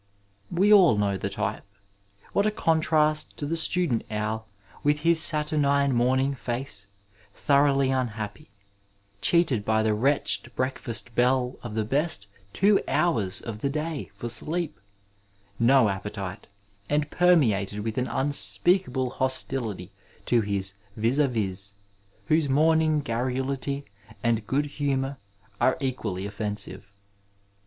We all know the type. What a contrast to the student owl with his saturnine morning face, thoroughly unhappy, cheated by the wretched breakfast bell of the two best hours of the day for sleep, no appetite, and permeated with an unspeakable hostility to his vis d vis, whose morning garrulity and good humour are equally offensive.